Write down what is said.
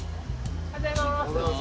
おはようございます。